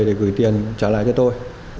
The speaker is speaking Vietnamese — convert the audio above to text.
để gửi tiền trả lại cho tôi